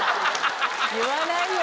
言わないよ。